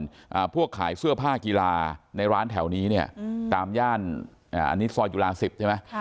แต่ก่อนพวกขายเสื้อผ้ากีฬาในร้านแถวนี้เนี่ยตามย่านอันนี้ซอยกิวลา๑๐ใช่ไหม